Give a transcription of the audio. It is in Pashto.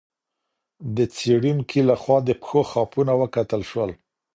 د څېړونکي لخوا د پښو خاپونه وکتل سول.